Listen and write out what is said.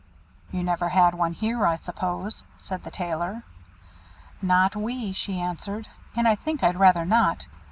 "You never had one here, I suppose?" said the Tailor. "Not we," she answered; "and I think I'd rather not.